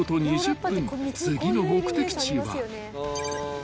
［次の目的地は］